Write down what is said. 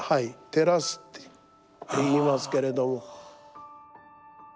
テラスっていいますけれども。